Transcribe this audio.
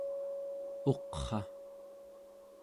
uqra